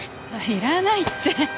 いらないって。